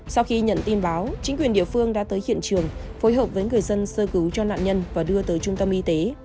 sau khi nhận tin báo chính quyền địa phương đã tới hiện trường phối hợp với người dân sơ cứu cho nạn nhân và đưa tới trung tâm y tế